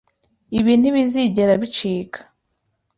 Ibi ntibizigera bicika.